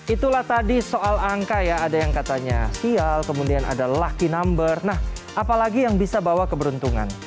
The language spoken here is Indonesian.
itulah tadi soal angka ya ada yang katanya sial kemudian ada lucky number nah apalagi yang bisa bawa keberuntungan